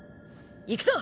行くぞ！